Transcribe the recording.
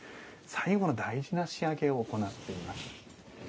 最後の大事な仕上げを行っています。